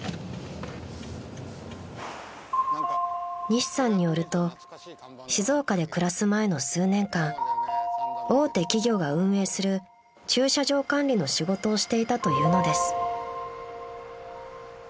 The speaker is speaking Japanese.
［西さんによると静岡で暮らす前の数年間大手企業が運営する駐車場管理の仕事をしていたというのです］